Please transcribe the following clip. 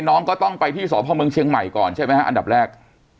น้องก็ต้องไปที่สพเมืองเชียงใหม่ก่อนใช่ไหมฮะอันดับแรก